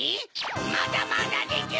まだまだでちゅ！